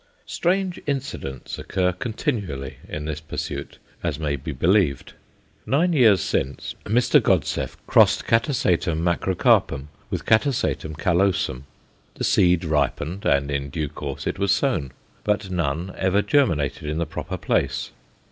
Strange incidents occur continually in this pursuit, as may be believed. Nine years since, Mr. Godseff crossed Catasetum macrocarpum with Catasetum callosum. The seed ripened, and in due time it was sown; but none ever germinated in the proper place.